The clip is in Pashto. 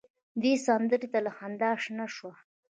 دې سندره ته له خندا شنه شوه.